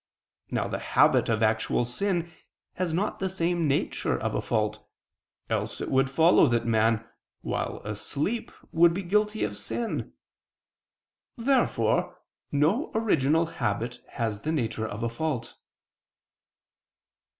Now the habit of actual sin has not the nature of a fault, else it would follow that a man while asleep, would be guilty of sin. Therefore no original habit has the nature of a fault.